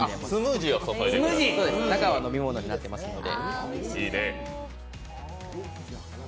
中は飲み物になっておりますので。